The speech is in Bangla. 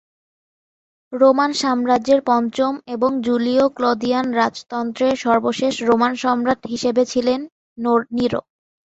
রোমান সাম্রাজ্যের পঞ্চম এবং জুলিও-ক্লদিয়ান রাজতন্ত্রের সর্বশেষ রোমান সম্রাট হিসেবে ছিলেন নিরো।